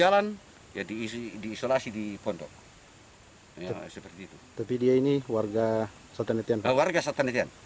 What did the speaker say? tapi dia ini warga sultan